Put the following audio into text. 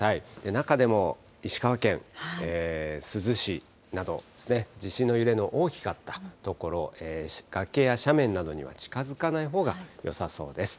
中でも石川県珠洲市など、地震の揺れの大きかった所、崖や斜面などには近づかないほうがよさそうです。